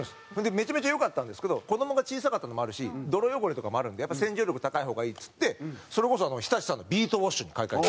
めちゃめちゃ良かったんですけど子どもが小さかったのもあるし泥汚れとかもあるんでやっぱり洗浄力高い方がいいっつってそれこそ日立さんのビートウォッシュに買い替えた。